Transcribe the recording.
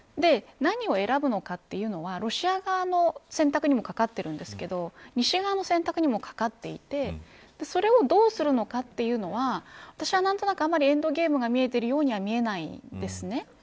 何を選ぶのかというのはロシア側の選択にもかかっているんですが西側の選択にもかかっていてそれをどうするのかというのは私は何となく、あまりエンドゲームが見えているようには見えません。